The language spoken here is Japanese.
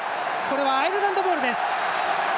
アイルランドボールです。